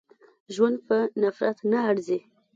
ژوند په نفرت نه ارزي.